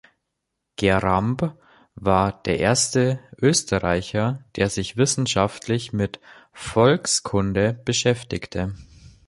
Geramb war der erste Österreicher, der sich wissenschaftlich mit Volkskunde beschäftigte.